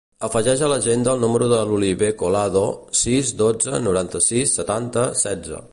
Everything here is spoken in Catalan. Afegeix a l'agenda el número de l'Oliver Colado: sis, dotze, noranta-sis, setanta, setze.